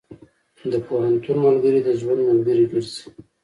د پوهنتون ملګري د ژوند ملګري ګرځي.